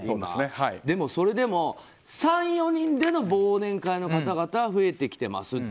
それでも３４人での忘年会の方々は増えてきてますと。